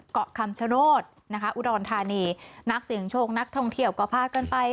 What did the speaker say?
เกาะคำชโนธนะคะอุดรธานีนักเสียงโชคนักท่องเที่ยวก็พากันไป